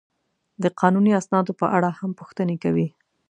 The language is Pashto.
د قانوني اسنادو په اړه هم پوښتنې کوي.